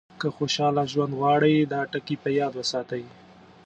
که خوشاله ژوند غواړئ دا ټکي په یاد وساتئ.